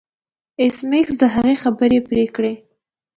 ایس میکس د هغې خبرې پرې کړې